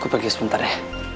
gue pergi sebentar ya